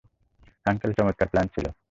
Uncle, চমৎকার plan ছিল।